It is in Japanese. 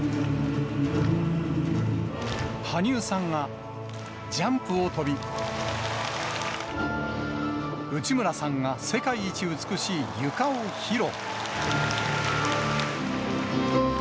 羽生さんがジャンプを跳び、内村さんが世界一美しい、ゆかを披露。